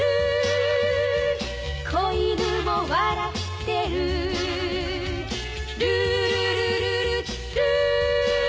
「小犬も笑ってる」「ルールルルルルー」